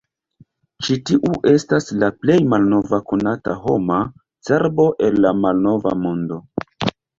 Ĉi tiu estas la plej malnova konata homa cerbo el la Malnova Mondo.